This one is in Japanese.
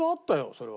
それは。